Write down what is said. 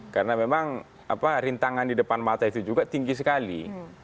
karena memang rintangan di depan mata itu juga tinggi sekali